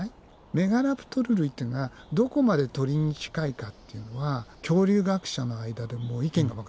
メガラプトル類っていうのはどこまで鳥に近いかっていうのは恐竜学者の間でも意見が分かれてて。